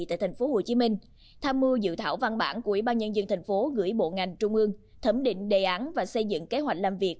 tại tp hcm tham mưu dự thảo văn bản của ủy ban nhân dân tp hcm gửi bộ ngành trung ương thẩm định đề án và xây dựng kế hoạch làm việc